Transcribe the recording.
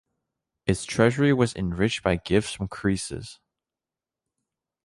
Its treasury was enriched by gifts from Croesus.